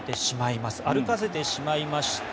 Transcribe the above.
歩かせてしまいまして。